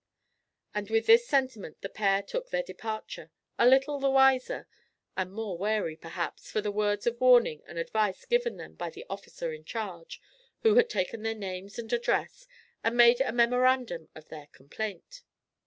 And with this sentiment the pair took their departure, a little the wiser, and more wary, perhaps, for the words of warning and advice given them by the officer in charge, who had taken their names and address, and made a memorandum of their 'complaint.'